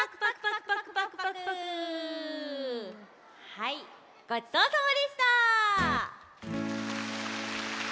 はいごちそうさまでした！